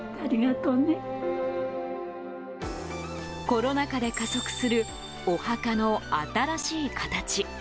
コロナ禍で加速するお墓の新しい形。